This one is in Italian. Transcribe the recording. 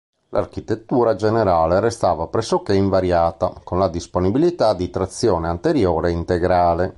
L'architettura generale restava pressoché invariata, con la disponibilità di trazione anteriore e integrale.